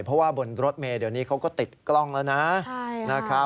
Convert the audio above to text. เพราะว่าบนรถเมย์เดี๋ยวนี้เขาก็ติดกล้องแล้วนะ